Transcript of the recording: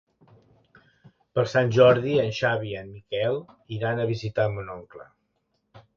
Per Sant Jordi en Xavi i en Miquel iran a visitar mon oncle.